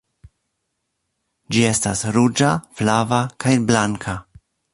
Ĝi estas ruĝa, flava, kaj blanka.